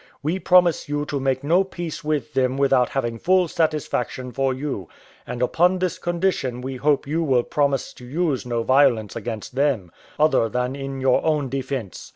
We promise you to make no peace with them without having full satisfaction for you; and upon this condition we hope you will promise to use no violence with them, other than in your own defence."